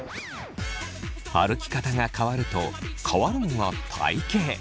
歩き方が変わると変わるのが体型。